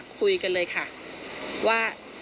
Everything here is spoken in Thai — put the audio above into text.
คุยกันเลยค่ะ